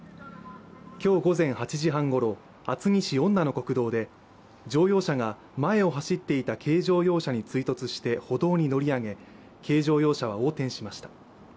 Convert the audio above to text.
今日午前８時半ごろ厚木市恩名の国道で、乗用車が前を走っていた軽乗用車に追突して歩道に乗り上げ、軽乗用車は横転しました。